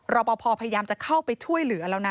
รอปภพยายามจะเข้าไปช่วยเหลือแล้วนะ